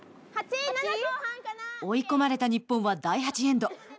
追い込まれた日本は第８エンド。